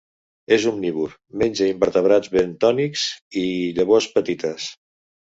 És omnívor: menja invertebrats bentònics i llavors petites.